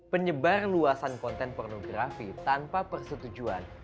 penyebar luasan konten pornografi tanpa persetujuan